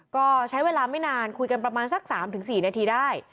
ก็ใช้เวลาไม่นานคุยกันประมาณสัก๓๔นาทีได้